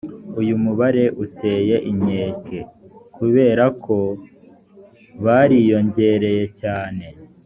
uyu mubare uteye inkeke kubera ko bariyongereye cyane